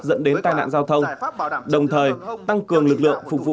dẫn đến tai nạn giao thông đồng thời tăng cường lực lượng phục vụ